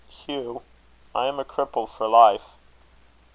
"Hugh, I am a cripple for life."